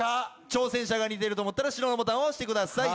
挑戦者が似てると思ったら白のボタンを押してください。